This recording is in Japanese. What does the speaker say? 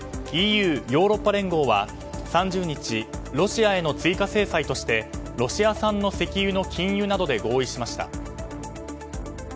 ＥＵ・ヨーロッパ連合は３０日、ロシアへの追加制裁としてロシア産の石油の禁輸などで合意しました。